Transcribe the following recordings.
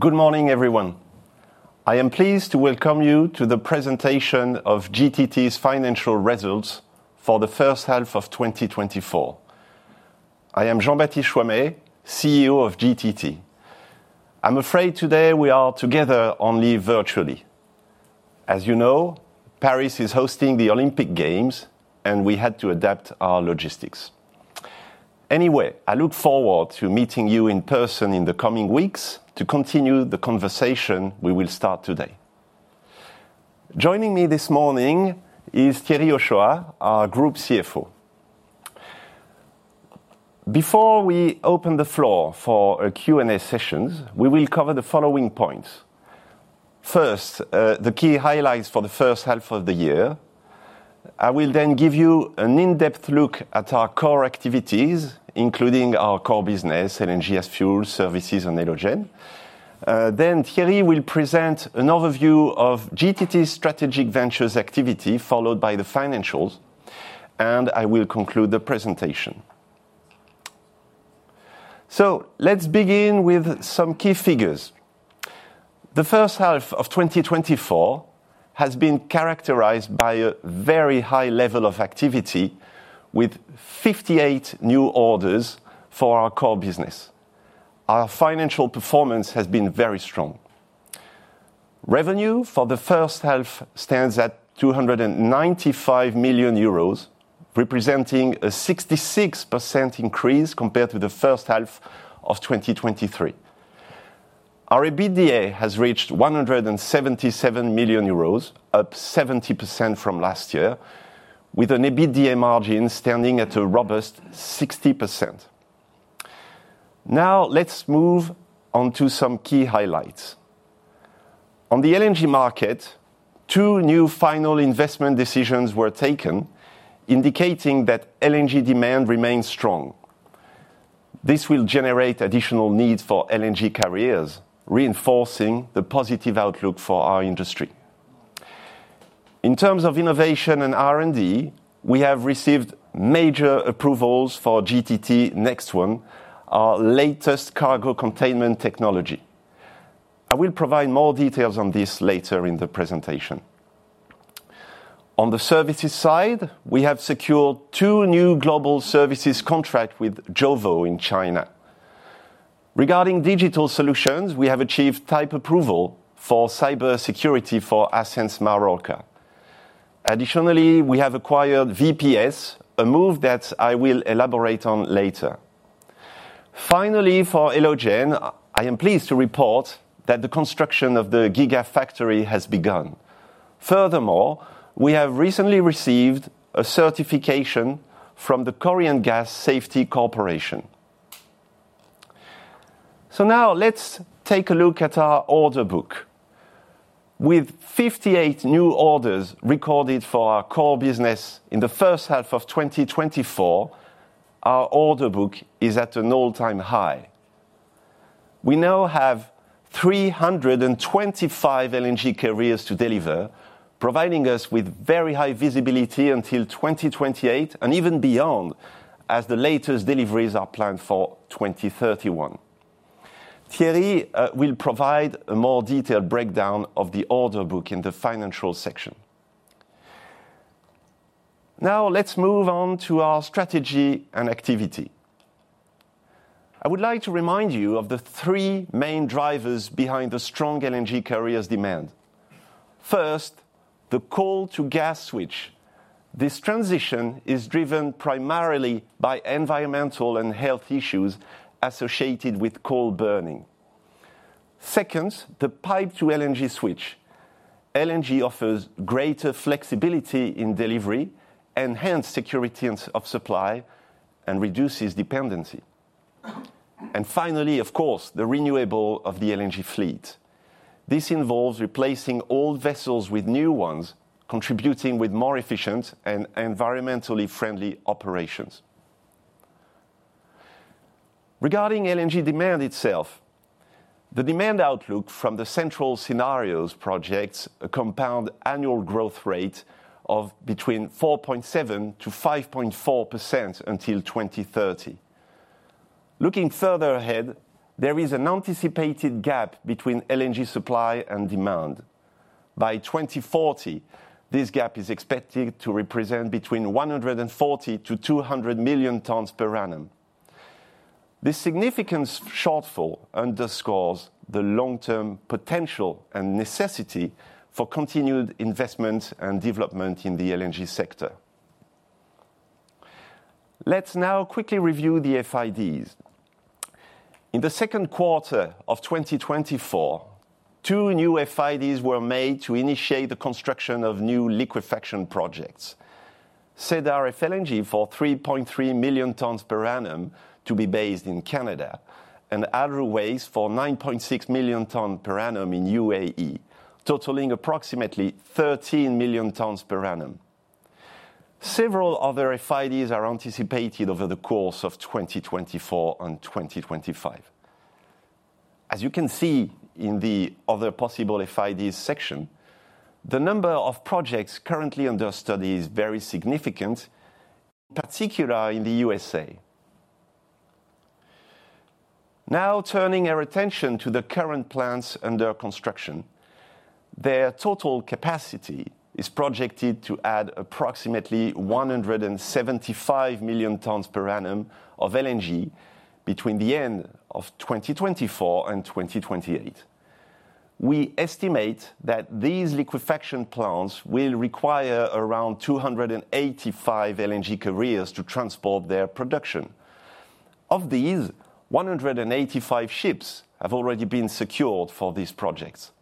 Good morning, everyone. I am pleased to welcome you to the presentation of GTT's financial results for the first half of 2024. I am Jean-Baptiste Choimet, CEO of GTT. I'm afraid today we are together only virtually. As you know, Paris is hosting the Olympic Games, and we had to adapt our logistics. Anyway, I look forward to meeting you in person in the coming weeks to continue the conversation we will start today. Joining me this morning is Thierry Hochoa, our Group CFO. Before we open the floor for Q&A sessions, we will cover the following points. First, the key highlights for the first half of the year. I will then give you an in-depth look at our core activities, including our core business, LNG as fuel, services, and Elogen. Then Thierry will present an overview of GTT's Strategic Ventures activity, followed by the financials, and I will conclude the presentation. Let's begin with some key figures. The first half of 2024 has been characterized by a very high level of activity, with 58 new orders for our core business. Our financial performance has been very strong. Revenue for the first half stands at 295 million euros, representing a 66% increase compared to the first half of 2023. Our EBITDA has reached 177 million euros, up 70% from last year, with an EBITDA margin standing at a robust 60%. Now let's move on to some key highlights. On the LNG market, two new final investment decisions were taken, indicating that LNG demand remains strong. This will generate additional needs for LNG carriers, reinforcing the positive outlook for our industry. In terms of innovation and R&D, we have received major approvals for GTT NEXT1, our latest cargo containment technology. I will provide more details on this later in the presentation. On the services side, we have secured two new global services contracts with JOVO in China. Regarding digital solutions, we have achieved type approval for cybersecurity for Ascenz Marorka. Additionally, we have acquired VPS, a move that I will elaborate on later. Finally, for Elogen, I am pleased to report that the construction of the Gigafactory has begun. Furthermore, we have recently received a certification from the Korea Gas Safety Corporation. Now let's take a look at our order book. With 58 new orders recorded for our core business in the first half of 2024, our order book is at an all-time high. We now have 325 LNG carriers to deliver, providing us with very high visibility until 2028 and even beyond, as the latest deliveries are planned for 2031. Thierry will provide a more detailed breakdown of the order book in the financial section. Now let's move on to our strategy and activity. I would like to remind you of the three main drivers behind the strong LNG carriers demand. First, the coal-to-gas switch. This transition is driven primarily by environmental and health issues associated with coal burning. Second, the pipeline-to-LNG switch. LNG offers greater flexibility in delivery, enhanced security of supply, and reduces dependency. And finally, of course, the renewal of the LNG fleet. This involves replacing old vessels with new ones, contributing to more efficient and environmentally friendly operations. Regarding LNG demand itself, the demand outlook from the central scenarios projects a compound annual growth rate of between 4.7%-5.4% until 2030. Looking further ahead, there is an anticipated gap between LNG supply and demand. By 2040, this gap is expected to represent between 140-200 million tonnes per annum. This significant shortfall underscores the long-term potential and necessity for continued investment and development in the LNG sector. Let's now quickly review the FIDs. In the second quarter of 2024, two new FIDs were made to initiate the construction of new liquefaction projects. Cedar LNG for 3.3 million tonnes per annum to be based in Canada and Ruwais LNG for 9.6 million tonnes per annum in UAE, totaling approximately 13 million tonnes per annum. Several other FIDs are anticipated over the course of 2024 and 2025. As you can see in the other possible FIDs section, the number of projects currently under study is very significant, in particular in the USA. Now turning our attention to the current plants under construction. Their total capacity is projected to add approximately 175 million tonnes per annum of LNG between the end of 2024 and 2028. We estimate that these liquefaction plants will require around 285 LNG carriers to transport their production. Of these, 185 ships have already been secured for these projects.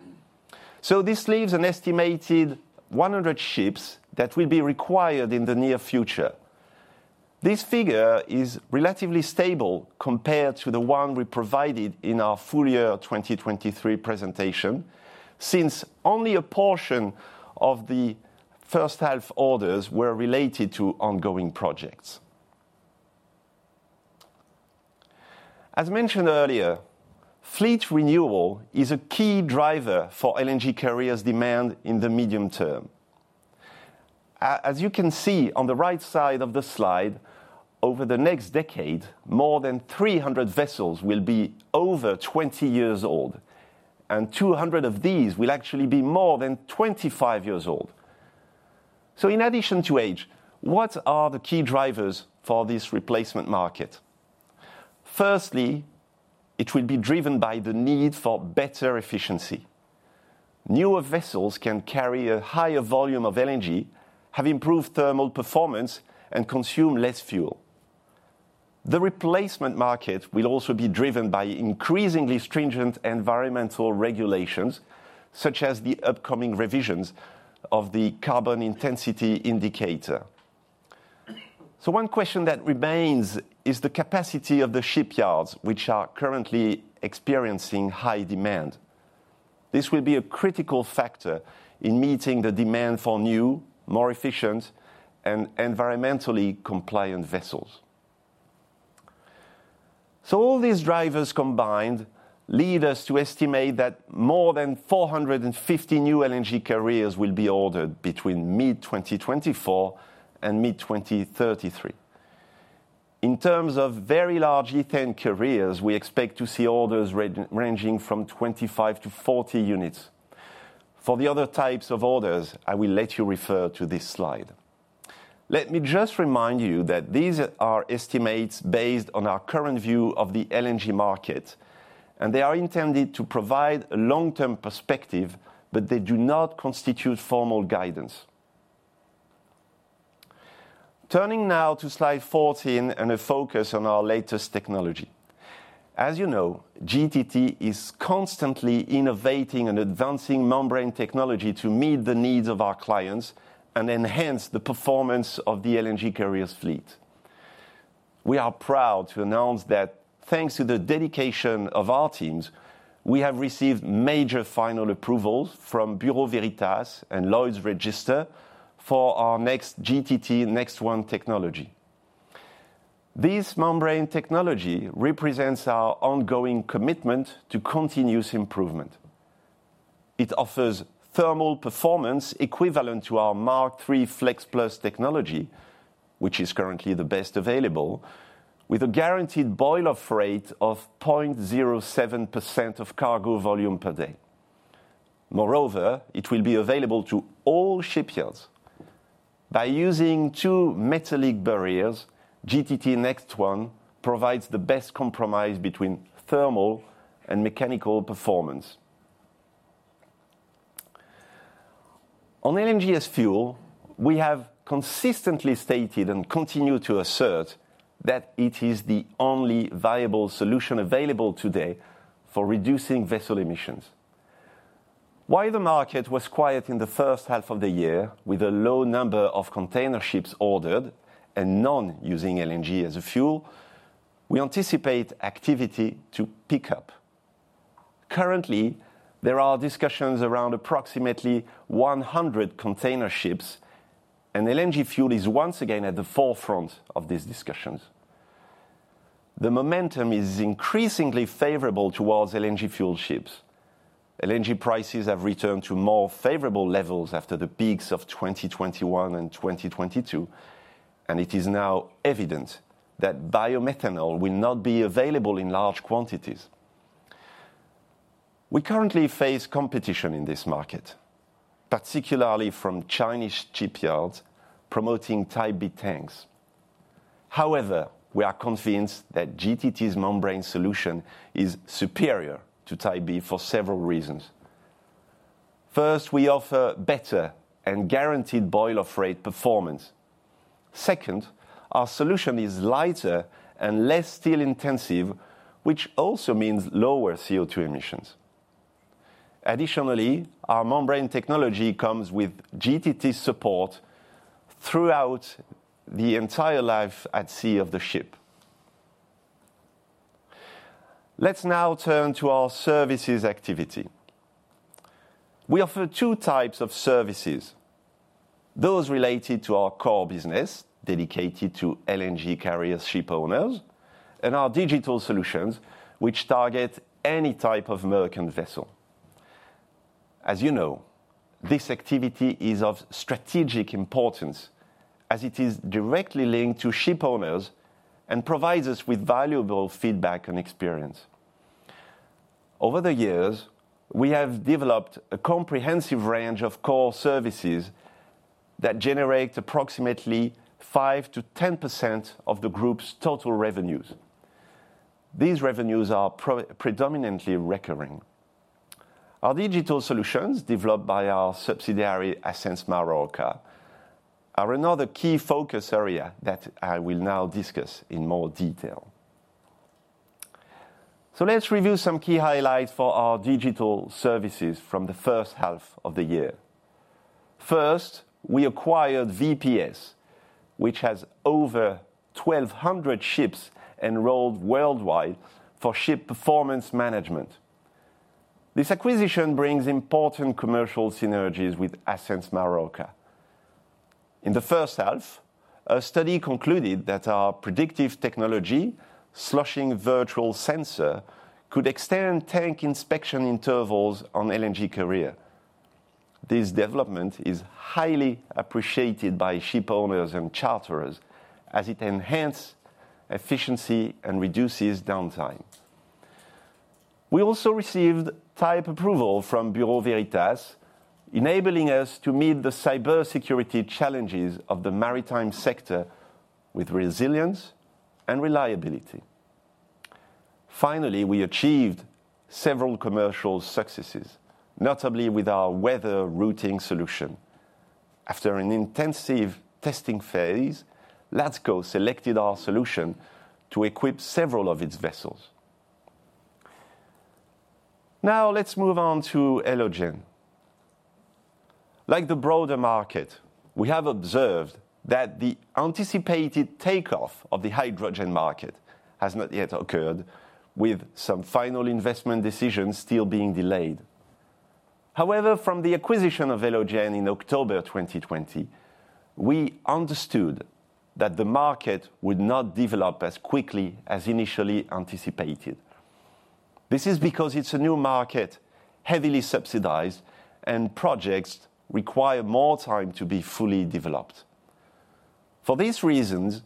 So this leaves an estimated 100 ships that will be required in the near future. This figure is relatively stable compared to the one we provided in our full year 2023 presentation, since only a portion of the first half orders were related to ongoing projects. As mentioned earlier, fleet renewal is a key driver for LNG carriers' demand in the medium term. As you can see on the right side of the slide, over the next decade, more than 300 vessels will be over 20 years old, and 200 of these will actually be more than 25 years old. In addition to age, what are the key drivers for this replacement market? Firstly, it will be driven by the need for better efficiency. Newer vessels can carry a higher volume of LNG, have improved thermal performance, and consume less fuel. The replacement market will also be driven by increasingly stringent environmental regulations, such as the upcoming revisions of the Carbon Intensity Indicator. One question that remains is the capacity of the shipyards, which are currently experiencing high demand. This will be a critical factor in meeting the demand for new, more efficient, and environmentally compliant vessels. So all these drivers combined lead us to estimate that more than 450 new LNG carriers will be ordered between mid-2024 and mid-2033. In terms of very large ethane carriers, we expect to see orders ranging from 25-40 units. For the other types of orders, I will let you refer to this slide. Let me just remind you that these are estimates based on our current view of the LNG market, and they are intended to provide a long-term perspective, but they do not constitute formal guidance. Turning now to slide 14 and a focus on our latest technology. As you know, GTT is constantly innovating and advancing membrane technology to meet the needs of our clients and enhance the performance of the LNG carriers fleet. We are proud to announce that thanks to the dedication of our teams, we have received major final approvals from Bureau Veritas and Lloyd's Register for our next GTT NEXT1 technology. This membrane technology represents our ongoing commitment to continuous improvement. It offers thermal performance equivalent to our Mark III Flex+ technology, which is currently the best available, with a guaranteed boil-off rate of 0.07% of cargo volume per day. Moreover, it will be available to all shipyards. By using two metallic barriers, GTT NEXT1 provides the best compromise between thermal and mechanical performance. On LNG as fuel, we have consistently stated and continue to assert that it is the only viable solution available today for reducing vessel emissions. While the market was quiet in the first half of the year, with a low number of container ships ordered and none using LNG as a fuel, we anticipate activity to pick up. Currently, there are discussions around approximately 100 container ships, and LNG fuel is once again at the forefront of these discussions. The momentum is increasingly favorable towards LNG fuel ships. LNG prices have returned to more favorable levels after the peaks of 2021 and 2022, and it is now evident that bio-methanol will not be available in large quantities. We currently face competition in this market, particularly from Chinese shipyards promoting Type B tanks. However, we are convinced that GTT's membrane solution is superior to Type B for several reasons. First, we offer better and guaranteed boil-off rate performance. Second, our solution is lighter and less steel intensive, which also means lower CO2 emissions. Additionally, our membrane technology comes with GTT support throughout the entire life at sea of the ship. Let's now turn to our services activity. We offer two types of services: those related to our core business, dedicated to LNG carrier ship owners, and our digital solutions, which target any type of merchant vessel. As you know, this activity is of strategic importance as it is directly linked to ship owners and provides us with valuable feedback and experience. Over the years, we have developed a comprehensive range of core services that generate approximately 5%-10% of the group's total revenues. These revenues are predominantly recurring. Our digital solutions developed by our subsidiary, Ascenz Marorka, are another key focus area that I will now discuss in more detail. So let's review some key highlights for our digital services from the first half of the year. First, we acquired VPS, which has over 1,200 ships enrolled worldwide for ship performance management. This acquisition brings important commercial synergies with Ascenz Marorka. In the first half, a study concluded that our predictive technology, Sloshing Virtual Sensor, could extend tank inspection intervals on LNG carriers. This development is highly appreciated by ship owners and charterers as it enhances efficiency and reduces downtime. We also received type approval from Bureau Veritas, enabling us to meet the cybersecurity challenges of the maritime sector with resilience and reliability. Finally, we achieved several commercial successes, notably with our weather routing solution. After an intensive testing phase, Latsco selected our solution to equip several of its vessels. Now let's move on to Elogen. Like the broader market, we have observed that the anticipated takeoff of the hydrogen market has not yet occurred, with some final investment decisions still being delayed. However, from the acquisition of Elogen in October 2020, we understood that the market would not develop as quickly as initially anticipated. This is because it's a new market, heavily subsidized, and projects require more time to be fully developed. For these reasons,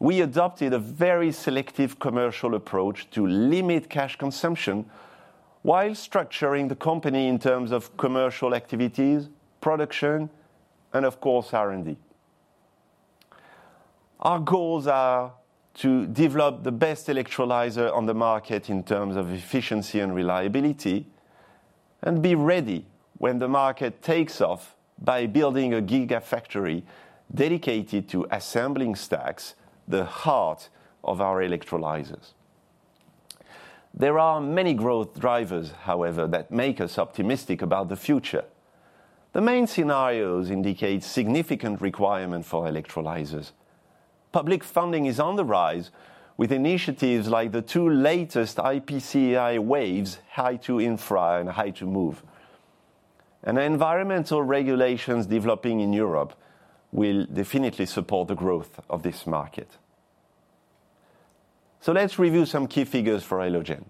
we adopted a very selective commercial approach to limit cash consumption while structuring the company in terms of commercial activities, production, and of course, R&D. Our goals are to develop the best electrolyzer on the market in terms of efficiency and reliability and be ready when the market takes off by building a Gigafactory dedicated to assembling stacks, the heart of our electrolyzers. There are many growth drivers, however, that make us optimistic about the future. The main scenarios indicate significant requirements for electrolyzers. Public funding is on the rise with initiatives like the two latest IPCEI waves, Hy2Infra and Hy2Move. Environmental regulations developing in Europe will definitely support the growth of this market. Let's review some key figures for Elogen.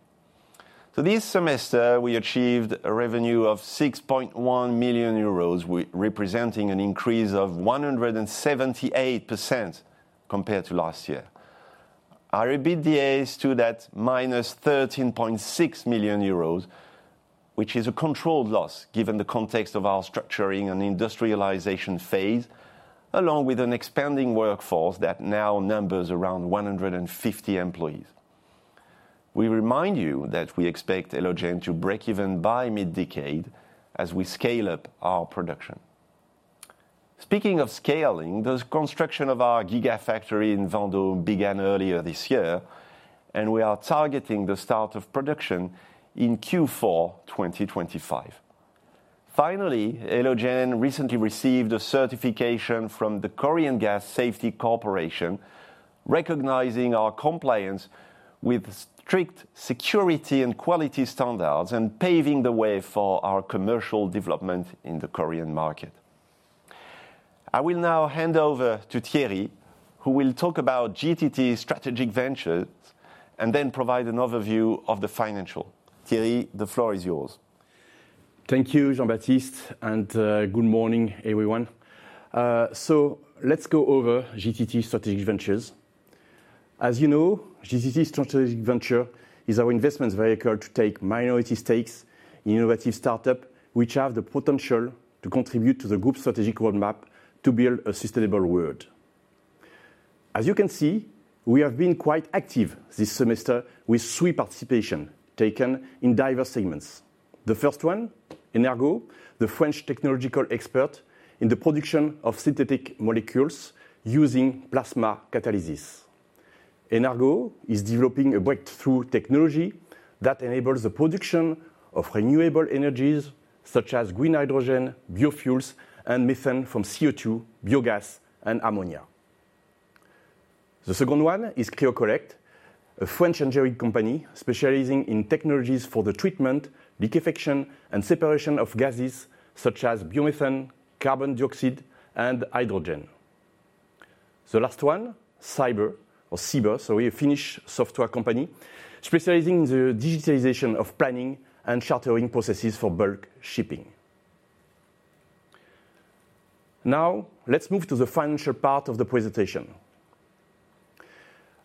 This semester, we achieved a revenue of 6.1 million euros, representing an increase of 178% compared to last year. Our EBITDA stood at -13.6 million euros, which is a controlled loss given the context of our structuring and industrialization phase, along with an expanding workforce that now numbers around 150 employees. We remind you that we expect Elogen to break even by mid-decade as we scale up our production. Speaking of scaling, the construction of our Gigafactory in Vendôme began earlier this year, and we are targeting the start of production in Q4 2025. Finally, Elogen recently received a certification from the Korean Gas Safety Corporation, recognizing our compliance with strict security and quality standards and paving the way for our commercial development in the Korean market. I will now hand over to Thierry, who will talk about GTT's Strategic Ventures and then provide an overview of the financial. Thierry, the floor is yours. Thank you, Jean-Baptiste, and good morning, everyone. So let's go over GTT's Strategic Ventures. As you know, GTT's Strategic Venture is our investment vehicle to take minority stakes in innovative startups which have the potential to contribute to the group's strategic roadmap to build a sustainable world. As you can see, we have been quite active this semester with three participations taken in diverse segments. The first one, EnerGo, the French technological expert in the production of synthetic molecules using plasma catalysis. EnerGo is developing a breakthrough technology that enables the production of renewable energies such as green hydrogen, biofuels, and methane from CO2, biogas, and ammonia. The second one is CryoCollect, a French engineering company specializing in technologies for the treatment, liquefaction, and separation of gases such as biomethane, carbon dioxide, and hydrogen. The last one, Seaber, sorry, a Finnish software company specializing in the digitalization of planning and chartering processes for bulk shipping. Now, let's move to the financial part of the presentation.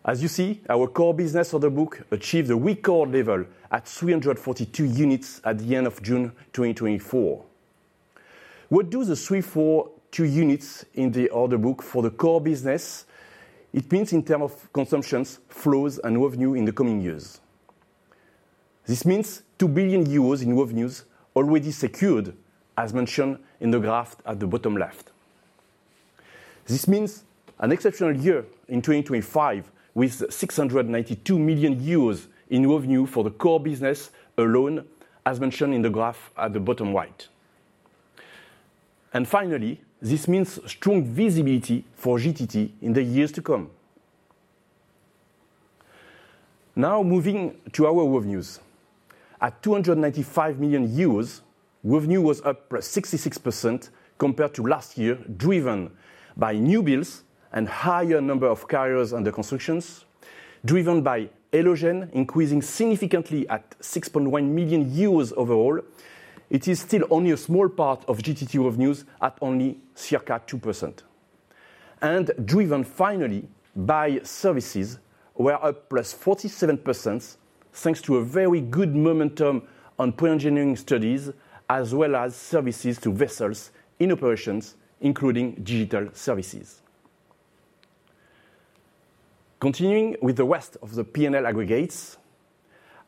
As you see, our core business order book achieved a record level at 342 units at the end of June 2024. What do the 342 units in the order book for the core business mean in terms of consumptions, flows, and revenue in the coming years? This means 2 billion euros in revenues already secured, as mentioned in the graph at the bottom left. This means an exceptional year in 2025 with 692 million euros in revenue for the core business alone, as mentioned in the graph at the bottom right. And finally, this means strong visibility for GTT in the years to come. Now, moving to our revenues. At 295 million euros, revenue was up +66% compared to last year, driven by new builds and a higher number of carriers under construction, driven by Elogen increasing significantly at 6.1 million euros overall. It is still only a small part of GTT revenues at only circa 2%. And driven finally by services, we're up +47% thanks to a very good momentum on pre-engineering studies as well as services to vessels in operations, including digital services. Continuing with the rest of the P&L aggregates,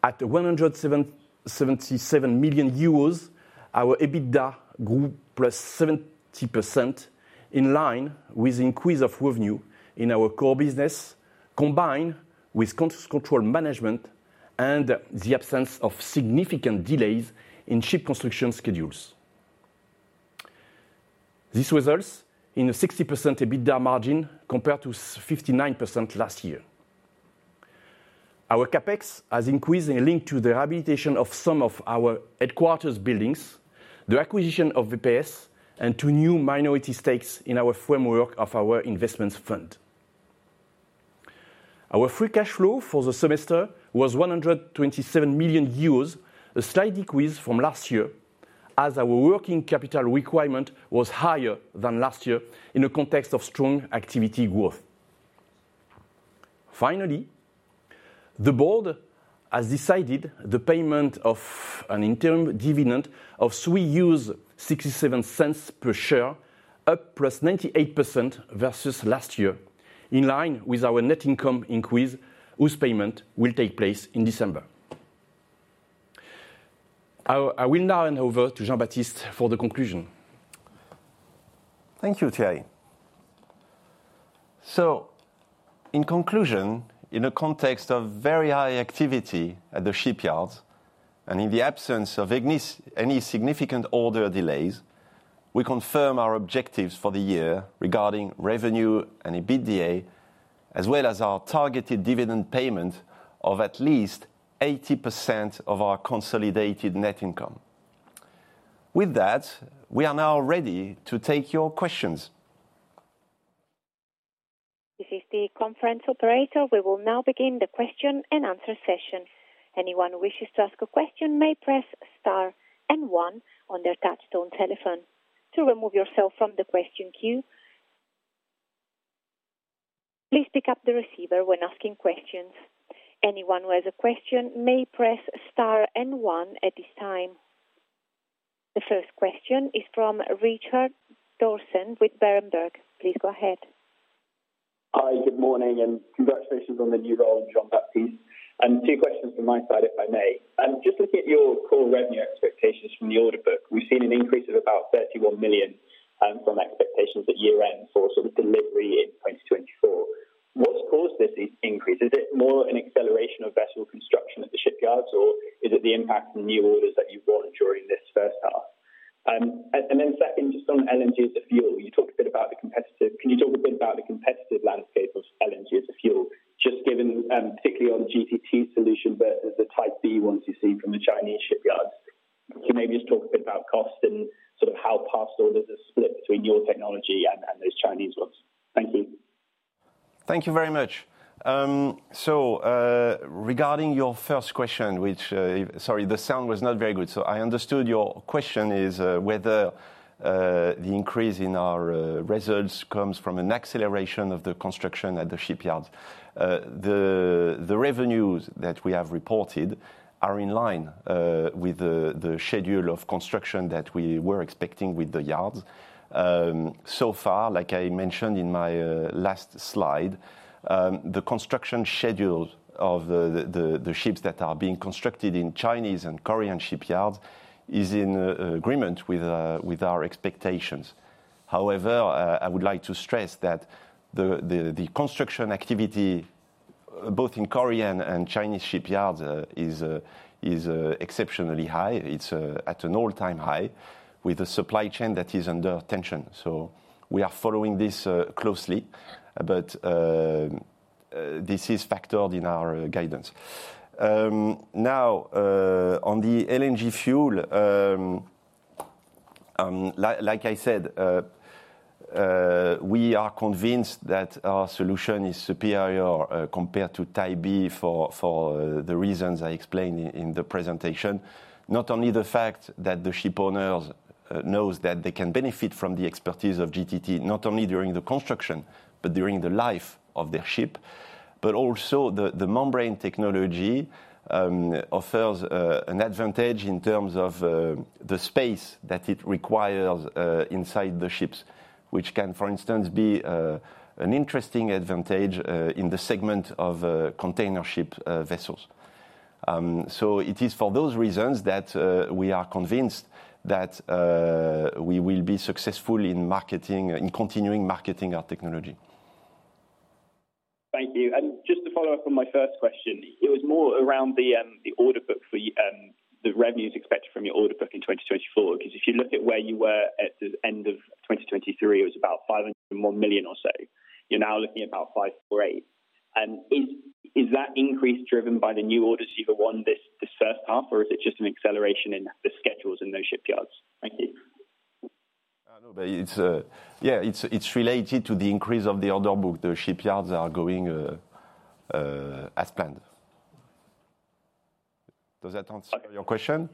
at 177 million euros, our EBITDA grew +70% in line with the increase of revenue in our core business, combined with cost control management and the absence of significant delays in ship construction schedules. This results in a 60% EBITDA margin compared to 59% last year. Our CapEx has increased in link to the rehabilitation of some of our headquarters buildings, the acquisition of VPS, and two new minority stakes in our framework of our investment fund. Our free cash flow for the semester was 127 million euros, a slight decrease from last year as our working capital requirement was higher than last year in the context of strong activity growth. Finally, the board has decided the payment of an interim dividend of 3.67 euros per share, up +98% versus last year, in line with our net income increase whose payment will take place in December. I will now hand over to Jean-Baptiste for the conclusion. Thank you, Thierry. In conclusion, in the context of very high activity at the shipyards and in the absence of any significant order delays, we confirm our objectives for the year regarding revenue and EBITDA, as well as our targeted dividend payment of at least 80% of our consolidated net income. With that, we are now ready to take your questions. This is the conference operator. We will now begin the question-and-answer session. Anyone who wishes to ask a question may press Star and 1 on their touchstone telephone. To remove yourself from the question queue, please pick up the receiver when asking questions. Anyone who has a question may press Star and 1 at this time. The first question is from Richard Dawson with Berenberg. Please go ahead. Hi, good morning, and congratulations on the new role, Jean-Baptiste. Two questions from my side, if I may. Just looking at your core revenue expectations from the order book, we've seen an increase of about 31 million from expectations at year-end for sort of delivery in 2024. What's caused this increase? Is it more an acceleration of vessel construction at the shipyards, or is it the impact on new orders that you've got during this first half? And then second, just on LNG as a fuel, you talked a bit about the competitive. Can you talk a bit about the competitive landscape of LNG as a fuel, just given particularly on GTT's solution versus the Type B ones you've seen from the Chinese shipyards? Can you maybe just talk a bit about cost and sort of how past orders are split between your technology and those Chinese ones? Thank you. Thank you very much. So, regarding your first question, which, sorry, the sound was not very good. So, I understood your question is whether the increase in our results comes from an acceleration of the construction at the shipyards. The revenues that we have reported are in line with the schedule of construction that we were expecting with the yards. So far, like I mentioned in my last slide, the construction schedule of the ships that are being constructed in Chinese and Korean shipyards is in agreement with our expectations. However, I would like to stress that the construction activity both in Korean and Chinese shipyards is exceptionally high. It's at an all-time high with a supply chain that is under tension. So, we are following this closely, but this is factored in our guidance. Now, on the LNG fuel, like I said, we are convinced that our solution is superior compared to Type B for the reasons I explained in the presentation. Not only the fact that the shipowners know that they can benefit from the expertise of GTT, not only during the construction, but during the life of their ship, but also the membrane technology offers an advantage in terms of the space that it requires inside the ships, which can, for instance, be an interesting advantage in the segment of container ship vessels. So, it is for those reasons that we are convinced that we will be successful in continuing marketing our technology. Thank you. And just to follow up on my first question, it was more around the order book for the revenues expected from your order book in 2024, because if you look at where you were at the end of 2023, it was about 501 million or so. You're now looking at about 548 million. And is that increase driven by the new orders you've won this first half, or is it just an acceleration in the schedules in those shipyards? Thank you. Yeah, it's related to the increase of the order book. The shipyards are going as planned. Does that answer your question?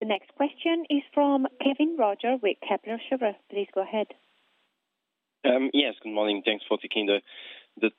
The next question is from Kevin Roger with Kepler Cheuvreux. Please go ahead. Yes, good morning. Thanks for taking the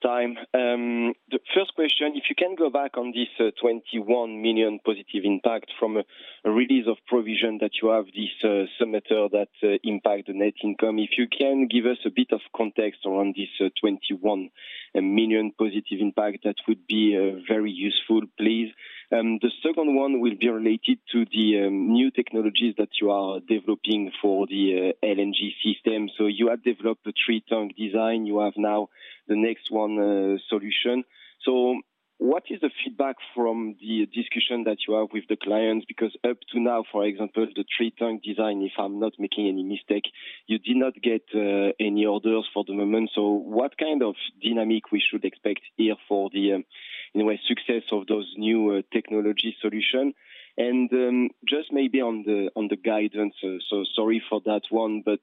time. The first question, if you can go back on this 21 million positive impact from a release of provision that you have this semester that impacts the net income, if you can give us a bit of context around this 21 million positive impact, that would be very useful, please. The second one will be related to the new technologies that you are developing for the LNG system. So, you have developed the three-tank design. You have now the NEXT1 solution. So, what is the feedback from the discussion that you have with the clients? Because up to now, for example, the three-tank design, if I'm not making any mistake, you did not get any orders for the moment. So, what kind of dynamic we should expect here for the success of those new technology solutions? Just maybe on the guidance, so sorry for that one, but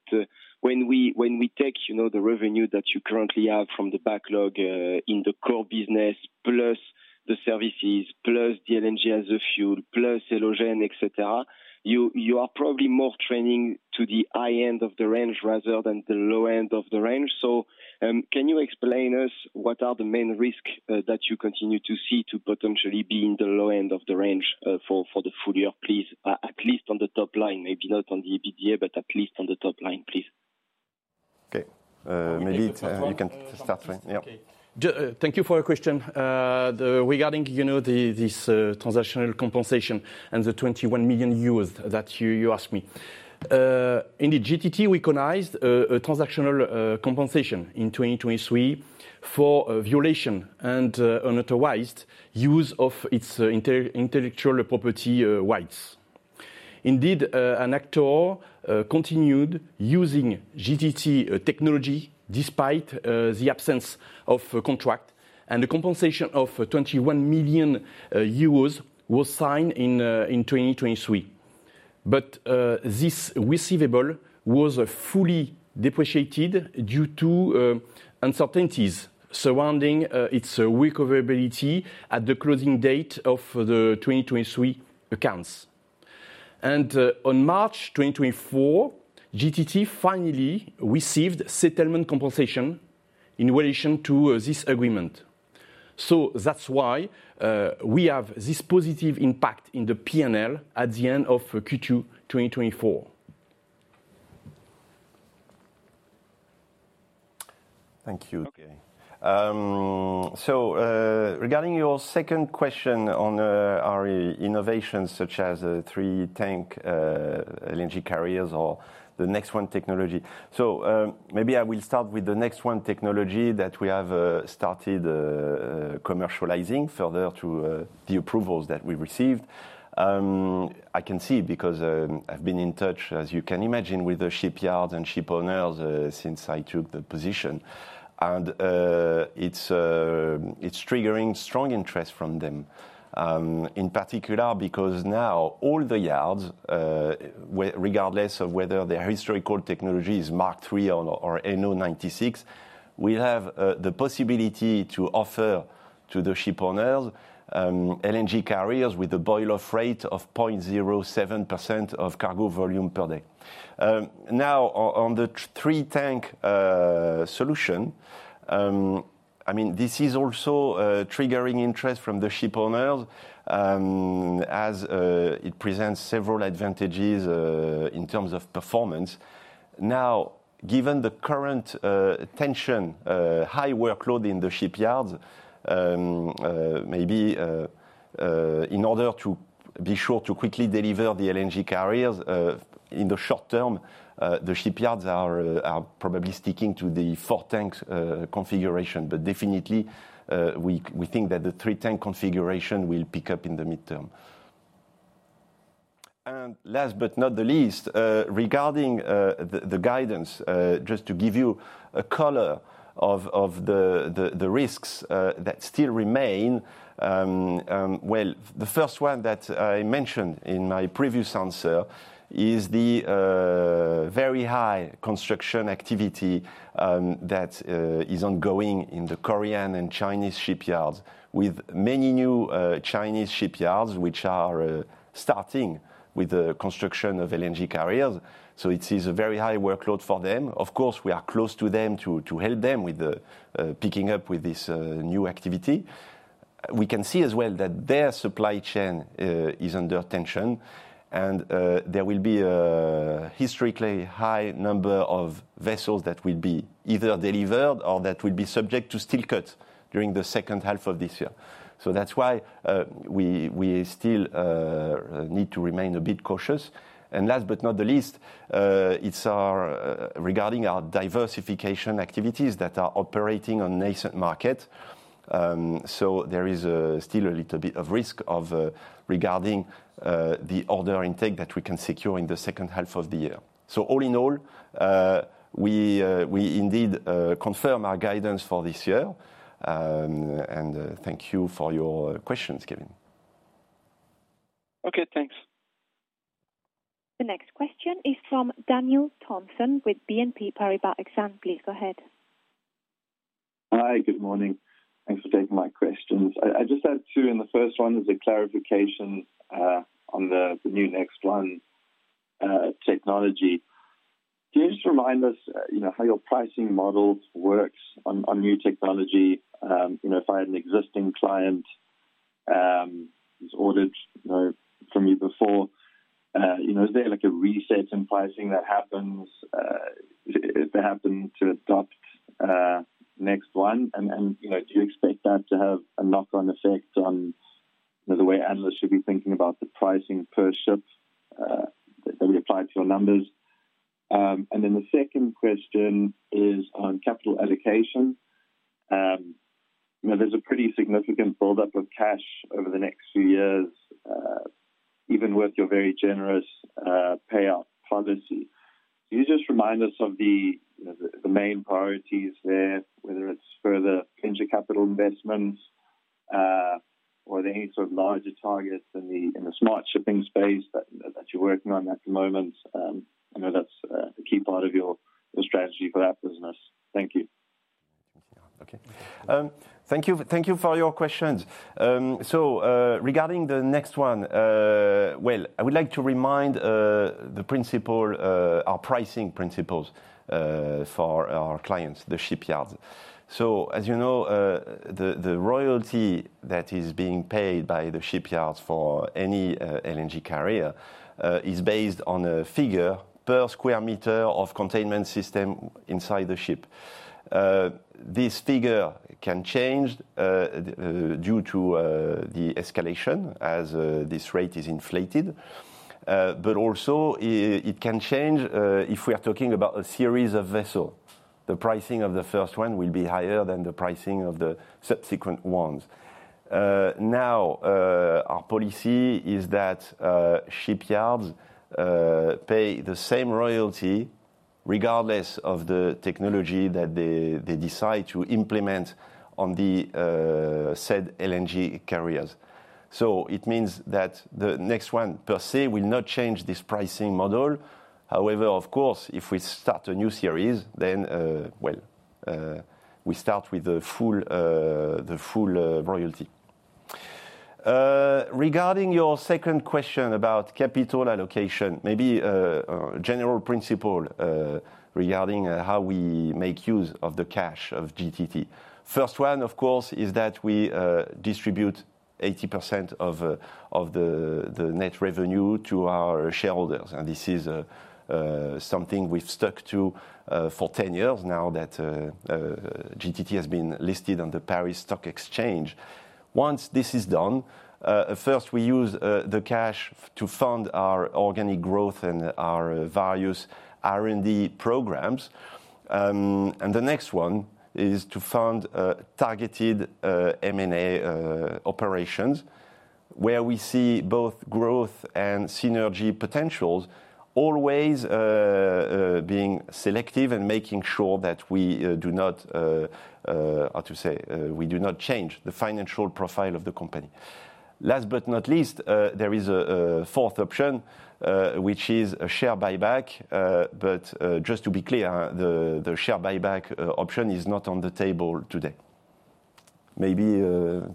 when we take the revenue that you currently have from the backlog in the core business, plus the services, plus the LNG as fuel, plus Elogen, etc., you are probably more trending to the high end of the range rather than the low end of the range. So, can you explain to us what are the main risks that you continue to see to potentially be in the low end of the range for the full year, please? At least on the top line, maybe not on the EBITDA, but at least on the top line, please. Okay. Maybe you can start. Thank you for your question regarding this transactional compensation and the 21 million euros that you asked me. Indeed, GTT recognized a transactional compensation in 2023 for violation and unauthorized use of its intellectual property rights. Indeed, an actor continued using GTT technology despite the absence of contract, and the compensation of 21 million euros was signed in 2023. But this receivable was fully depreciated due to uncertainties surrounding its recoverability at the closing date of the 2023 accounts. On March 2024, GTT finally received settlement compensation in relation to this agreement. So, that's why we have this positive impact in the P&L at the end of Q2 2024. Thank you. Okay. So, regarding your second question on our innovations such as three-tank LNG carriers or the NEXT1 technology, so maybe I will start with the NEXT1 technology that we have started commercializing further to the approvals that we received. I can see because I've been in touch, as you can imagine, with the shipyards and shipowners since I took the position, and it's triggering strong interest from them, in particular because now all the yards, regardless of whether their historical technology is Mark III or NO96, we have the possibility to offer to the shipowners LNG carriers with a boil-off rate of 0.07% of cargo volume per day. Now, on the three-tank solution, I mean, this is also triggering interest from the shipowners as it presents several advantages in terms of performance. Now, given the current tension, high workload in the shipyards, maybe in order to be sure to quickly deliver the LNG carriers in the short term, the shipyards are probably sticking to the four-tank configuration, but definitely we think that the three-tank configuration will pick up in the midterm. And last but not the least, regarding the guidance, just to give you a color of the risks that still remain, well, the first one that I mentioned in my previous answer is the very high construction activity that is ongoing in the Korean and Chinese shipyards, with many new Chinese shipyards which are starting with the construction of LNG carriers. So, it is a very high workload for them. Of course, we are close to them to help them with picking up with this new activity. We can see as well that their supply chain is under tension, and there will be a historically high number of vessels that will be either delivered or that will be subject to steel cuts during the second half of this year. So, that's why we still need to remain a bit cautious. And last but not the least, regarding our diversification activities that are operating on nascent market, so there is still a little bit of risk regarding the order intake that we can secure in the second half of the year. So, all in all, we indeed confirm our guidance for this year. And thank you for your questions, Kevin. Okay, thanks. The next question is from Daniel Thomson with BNP Paribas Exane, please go ahead. Hi, good morning. Thanks for taking my questions. I just had two in the first one, there's a clarification on the new NEXT1 technology. Can you just remind us how your pricing model works on new technology? If I had an existing client who's ordered from you before, is there a reset in pricing that happens if they happen to adopt NEXT1? Do you expect that to have a knock-on effect on the way analysts should be thinking about the pricing per ship that we apply to your numbers? And then the second question is on capital allocation. There's a pretty significant buildup of cash over the next few years, even with your very generous payout policy. Can you just remind us of the main priorities there, whether it's further venture capital investments or any sort of larger targets in the smart shipping space that you're working on at the moment? I know that's a key part of your strategy for that business. Thank you. Okay. Thank you for your questions. So, regarding the NEXT1, well, I would like to remind the principle, our pricing principles for our clients, the shipyards. So, as you know, the royalty that is being paid by the shipyards for any LNG carrier is based on a figure per square meter of containment system inside the ship. This figure can change due to the escalation as this rate is inflated, but also it can change if we are talking about a series of vessels. The pricing of the first one will be higher than the pricing of the subsequent ones. Now, our policy is that shipyards pay the same royalty regardless of the technology that they decide to implement on the said LNG carriers. So, it means that the NEXT1 per se will not change this pricing model. However, of course, if we start a new series, then, well, we start with the full royalty. Regarding your second question about capital allocation, maybe a general principle regarding how we make use of the cash of GTT. First one, of course, is that we distribute 80% of the net revenue to our shareholders. This is something we've stuck to for 10 years now that GTT has been listed on the Paris Stock Exchange. Once this is done, first we use the cash to fund our organic growth and our various R&D programs. The next one is to fund targeted M&A operations where we see both growth and synergy potentials, always being selective and making sure that we do not, how to say, we do not change the financial profile of the company. Last but not least, there is a fourth option, which is a share buyback, but just to be clear, the share buyback option is not on the table today. Maybe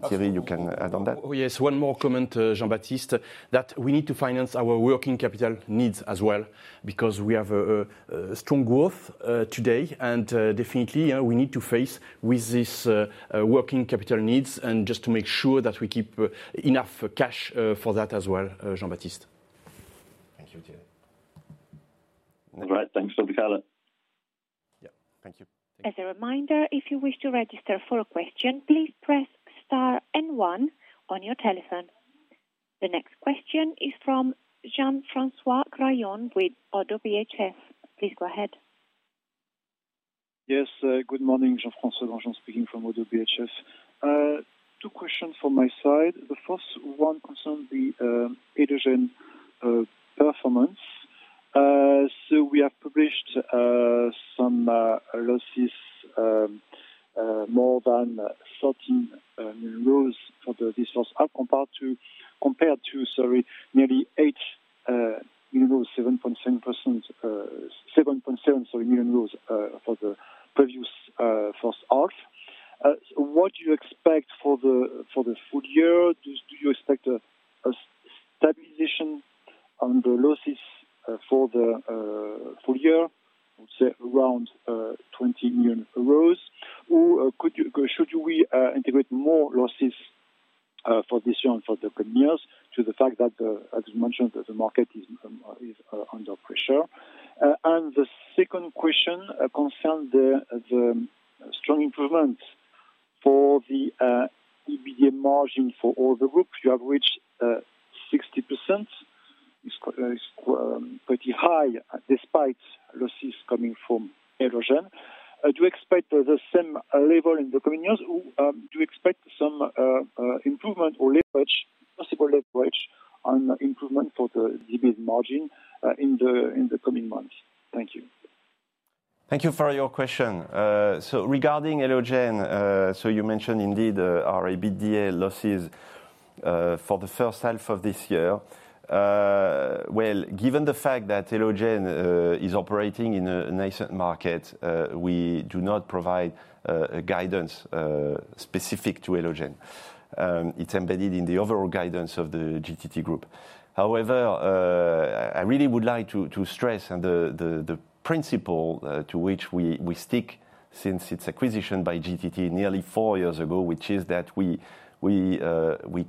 Thierry, you can add on that. Yes, one more comment, Jean-Baptiste, that we need to finance our working capital needs as well because we have a strong growth today and definitely, we need to face with these working capital needs and just to make sure that we keep enough cash for that as well, Jean-Baptiste. Thank you, Thierry. All right, thanks for the color. Yeah, thank you. As a reminder, if you wish to register for a question, please press star and 1 on your telephone. The next question is from Jean-François Granjon with ODDO BHF. Please go ahead. Yes, good morning, Jean-François Granjon speaking from Oddo BHF. Two questions from my side. The first one concerns the hydrogen performance. So, we have published some losses, more than 13 million euros for this first half compared to, sorry, nearly 8 million euros, 7.7%, 7.7 million euros for the previous first half. What do you expect for the full year? Do you expect a stabilization on the losses for the full year, say around 20 million euros, or should we integrate more losses for this year and for the coming years to the fact that, as you mentioned, the market is under pressure? And the second question concerns the strong improvements for the EBITDA margin for all the groups. You have reached 60%. It's pretty high despite losses coming from hydrogen. Do you expect the same level in the coming years? Do you expect some improvement or possible leverage on improvement for the EBITDA margin in the coming months? Thank you. Thank you for your question. So, regarding hydrogen, so you mentioned indeed our EBITDA losses for the first half of this year. Well, given the fact that hydrogen is operating in a nascent market, we do not provide guidance specific to hydrogen. It's embedded in the overall guidance of the GTT group. However, I really would like to stress the principle to which we stick since its acquisition by GTT nearly four years ago, which is that we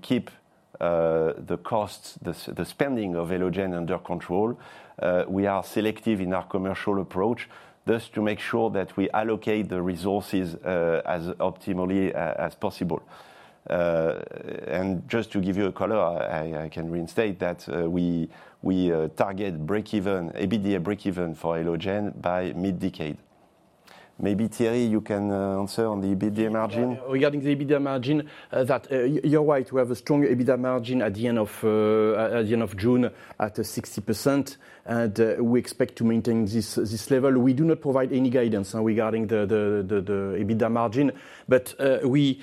keep the costs, the spending of hydrogen under control. We are selective in our commercial approach, thus to make sure that we allocate the resources as optimally as possible. And just to give you a color, I can reinstate that we target EBITDA break-even for hydrogen by mid-decade. Maybe Thierry, you can answer on the EBITDA margin. Regarding the EBITDA margin, that you're right, we have a strong EBITDA margin at the end of June at 60%, and we expect to maintain this level. We do not provide any guidance regarding the EBITDA margin, but we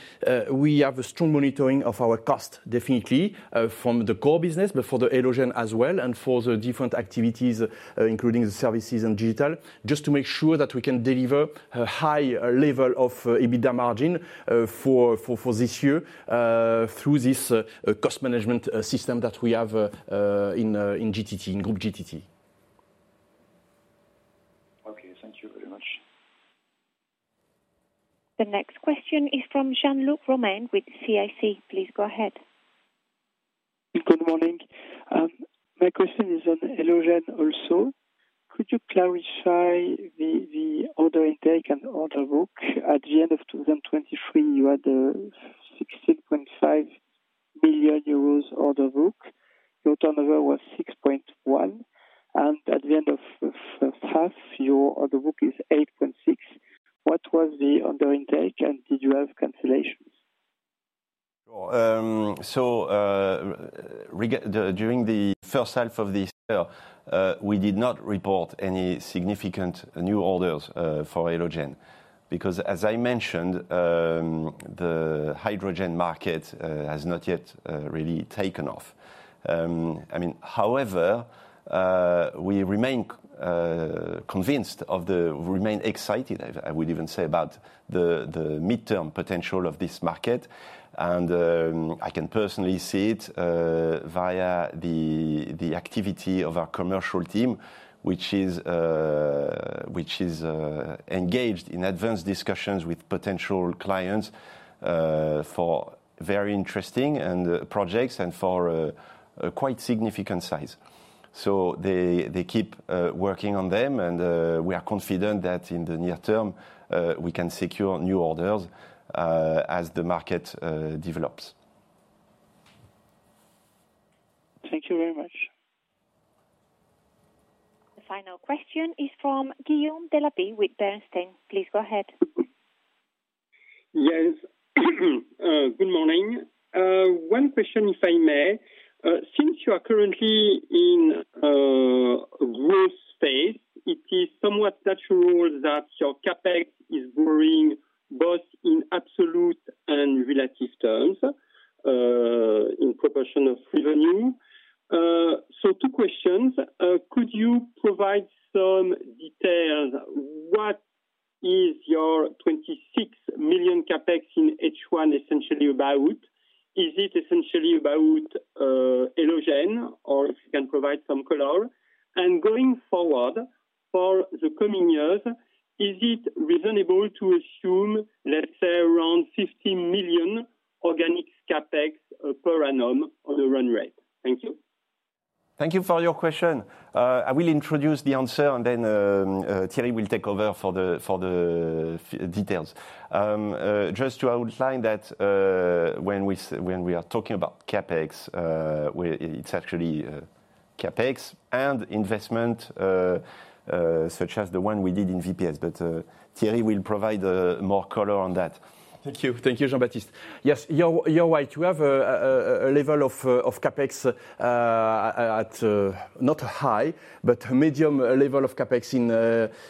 have a strong monitoring of our cost, definitely from the core business, but for the hydrogen as well and for the different activities, including the services and digital, just to make sure that we can deliver a high level of EBITDA margin for this year through this cost management system that we have in GTT, in Group GTT. Okay, thank you very much. The next question is from Jean-Luc Romain with CIC. Please go ahead. Good morning. My question is on hydrogen also. Could you clarify the order intake and order book? At the end of 2023, you had 16.5 million euros order book. Your turnover was 6.1 million, and at the end of the first half, your order book is 8.6 million. What was the order intake, and did you have cancellations? So, during the first half of this year, we did not report any significant new orders for hydrogen because, as I mentioned, the hydrogen market has not yet really taken off. I mean, however, we remain convinced of the, we remain excited, I would even say, about the midterm potential of this market. And I can personally see it via the activity of our commercial team, which is engaged in advanced discussions with potential clients for very interesting projects and for quite significant size. So, they keep working on them, and we are confident that in the near term, we can secure new orders as the market develops. Thank you very much. The final question is from Guillaume Delaby with Bernstein. Please go ahead. Yes, good morning. One question, if I may. Since you are currently in a growth phase, it is somewhat natural that your CapEx is growing both in absolute and relative terms in proportion of revenue. So, two questions. Could you provide some details? What is your 26 million CapEx in H1 essentially about? Is it essentially about hydrogen, or if you can provide some color? And going forward for the coming years, is it reasonable to assume, let's say, around 15 million organic CapEx per annum on the run rate? Thank you. Thank you for your question. I will introduce the answer, and then Thierry will take over for the details. Just to outline that when we are talking about CapEx, it's actually CapEx and investment such as the one we did in VPS, but Thierry will provide more color on that. Thank you. Thank you, Jean-Baptiste. Yes, you're right. You have a level of CapEx at not high, but medium level of CapEx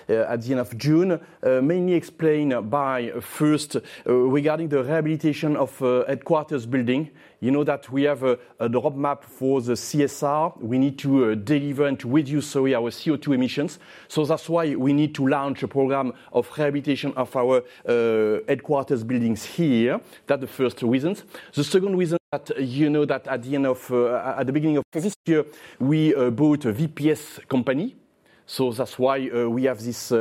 at the end of June, mainly explained by first regarding the rehabilitation of headquarters building. You know that we have a roadmap for the CSR. We need to deliver and to reduce, sorry, our CO2 emissions. So, that's why we need to launch a program of rehabilitation of our headquarters buildings here. That's the first reason. The second reason that you know that at the end of, at the beginning of this year, we bought a VPS company. So, that's why we have this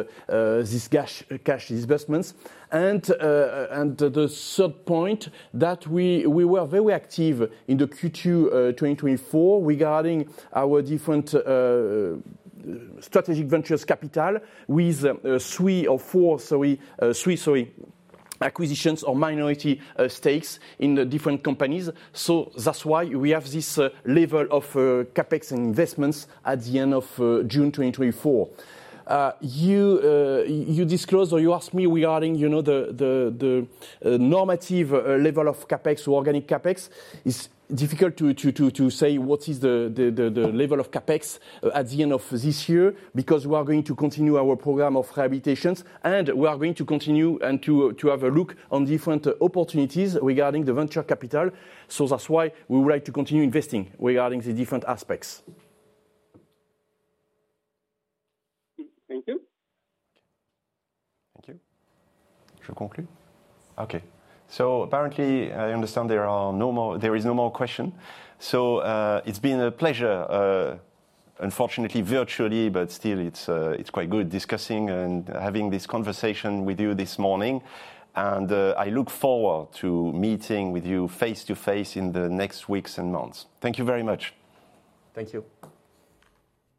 cash investments. And the third point, that we were very active in the Q2 2024 regarding our different strategic ventures capital with 3 or 4, sorry, 3 acquisitions or minority stakes in different companies. So, that's why we have this level of CapEx and investments at the end of June 2024. You disclosed or you asked me regarding the normative level of CapEx or organic CapEx. It's difficult to say what is the level of CapEx at the end of this year because we are going to continue our program of rehabilitations, and we are going to continue and to have a look on different opportunities regarding the venture capital. So, that's why we would like to continue investing regarding the different aspects. Thank you. Thank you. Je conclus. Okay. So, apparently, I understand there are no more, there is no more question. So, it's been a pleasure, unfortunately, virtually, but still, it's quite good discussing and having this conversation with you this morning. And I look forward to meeting with you face to face in the next weeks and months. Thank you very much. Thank you.